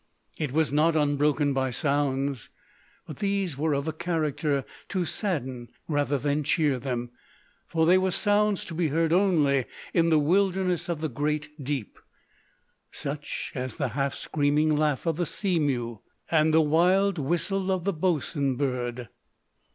It was not unbroken by sounds; but these were of a character to sadden rather than cheer them, for they were sounds to be heard only in the wilderness of the great deep, such as the half screaming laugh of the sea mew, and the wild whistle of the boatswain bird.